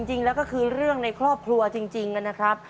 จริงแล้วก็คือเรื่องในครอบครัวจริงนะครับ